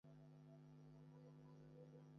কয়েক মাস পর তাকে ভুলে যাবে।